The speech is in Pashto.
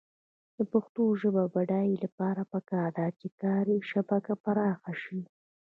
د پښتو ژبې د بډاینې لپاره پکار ده چې کاري شبکه پراخه شي.